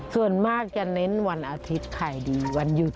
ส่วนมากจะเน้นวันอาทิตย์ขายดีวันหยุด